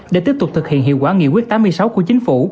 để tiếp tục thực hiện hiệu quả nghị quyết tám mươi sáu của chính phủ